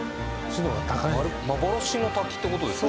幻の滝ってことですか